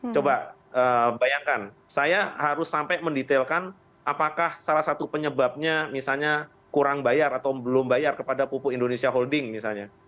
coba bayangkan saya harus sampai mendetailkan apakah salah satu penyebabnya misalnya kurang bayar atau belum bayar kepada pupuk indonesia holding misalnya